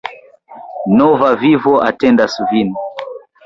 Nova vivo atendas vin!